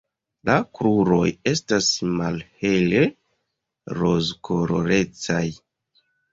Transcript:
La kruroj estas malhele rozkolorecaj.